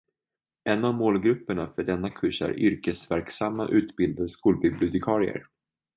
En av målgrupperna för denna kurs är yrkesverksamma, utbildade skolbibliotekarier.